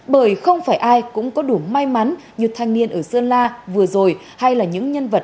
bởi không phải ai cũng có đủ may mắn như thanh niên ở sơn la vừa rồi hay là những nhân vật